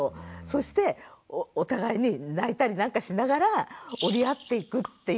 そしてお互いに泣いたりなんかしながら折り合っていくっていう。